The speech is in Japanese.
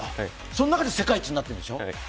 その中で世界一になっているんでしょう。